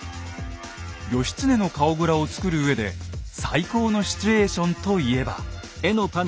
義経の顔グラを作るうえで最高のシチュエーションといえば。